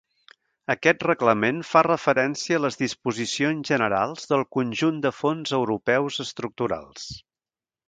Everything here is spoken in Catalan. Aquest Reglament fa referència a les disposicions generals del conjunt de fons europeus estructurals.